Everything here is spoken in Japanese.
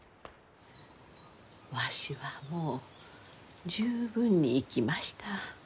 わしはもう十分に生きました。